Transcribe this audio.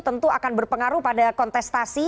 tentu akan berpengaruh pada kontestasi